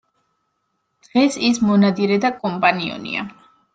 დღეს ის მონადირე და კომპანიონია.